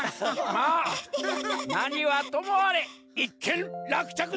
まあなにはともあれいっけんらくちゃく